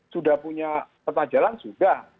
sudah punya petajaran sudah